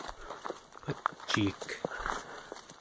paciik